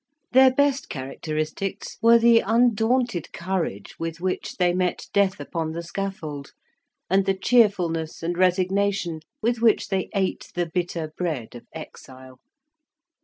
Their best characteristics were the undaunted courage with which they met death upon the scaffold, and the cheerfulness and resignation with which they ate the bitter bread of exile.